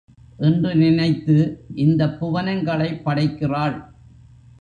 என்று நினைத்து இந்தப் புவனங்களைப் படைக்கிறாள்.